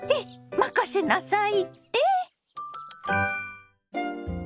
任せなさいって？